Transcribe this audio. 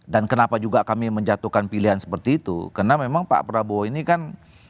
dan kenapa juga kami menjatuhkan pilihan seperti itu karena memang pak prabowo ini kan